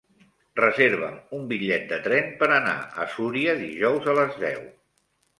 Reserva'm un bitllet de tren per anar a Súria dijous a les deu.